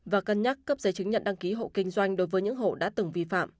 và cân nhắc cấp giấy chứng nhận đăng ký hộ kinh doanh đối với những hộ đã từng vi phạm